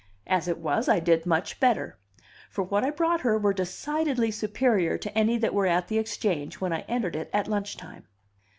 As it was, I did much better; for what I brought her were decidedly superior to any that were at the Exchange when I entered it at lunch time.